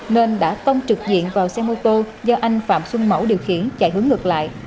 nên đã tông trực diện vào xe mô tô do anh phạm xuân mẫu điều khiển chạy hướng ngược lại